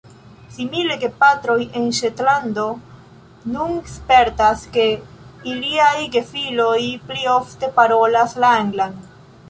Simile, gepatroj en Ŝetlando nun spertas, ke iliaj gefiloj pli ofte parolas la anglan.